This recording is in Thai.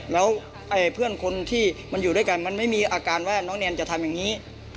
แล้วเพื่อนคนที่มันอยู่ด้วยกันมันไม่มีอาการว่าน้องแนนจะทำอย่างนี้